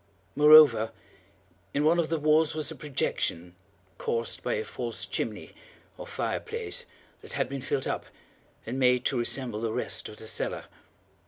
Moreover, in one of the walls was a projection, caused by a false chimney, or fireplace, that had been filled up, and made to resemble the red of the cellar.